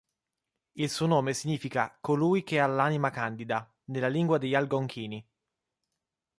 Il suo nome significa "Colui che ha l'Anima Candida" nella lingua degli Algonchini.